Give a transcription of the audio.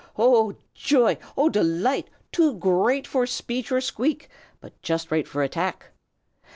Oh, joy! oh, delight! too great for speech or squeak, but just right for attack.